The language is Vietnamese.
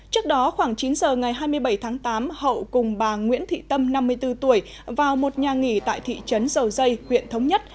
trước đó khoảng chín giờ ngày hai mươi bảy tháng tám hậu cùng bà nguyễn thị tâm năm mươi bốn tuổi vào một nhà nghỉ tại thị trấn dầu dây huyện thống nhất